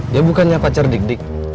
dia bukannya pacar dik dik